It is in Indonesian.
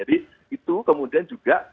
jadi itu kemudian juga